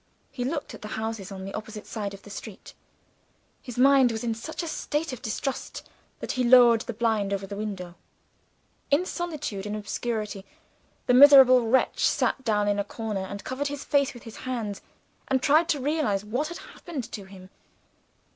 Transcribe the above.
He looked at the houses on the opposite side of the street. His mind was in such a state of morbid distrust that he lowered the blind over the window. In solitude and obscurity, the miserable wretch sat down in a corner, and covered his face with his hands, and tried to realize what had happened to him.